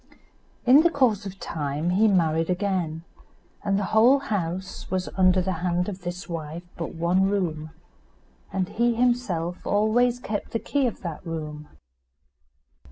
In the course of time he married again, and the whole house was under the hand of this wife but one room, and he himself always kept the key of that room.